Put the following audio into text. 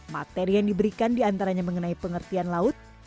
materi yang diberikan diantaranya mengenai pengertian laut